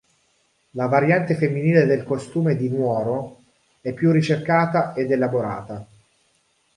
La variante femminile del costume di Nuoro è più ricercata ed elaborata.